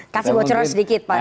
kasih bocoran sedikit pak